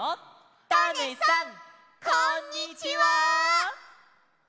タネさんこんにちは！